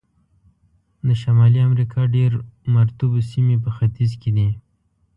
د شمالي امریکا ډېر مرطوبو سیمې په ختیځ کې دي.